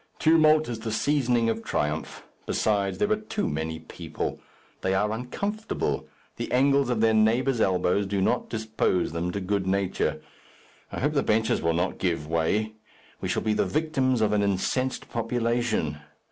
Tumult is the seasoning of triumph. Besides, there are too many people. They are uncomfortable. The angles of their neighbours' elbows do not dispose them to good nature. I hope the benches will not give way. We shall be the victims of an incensed population.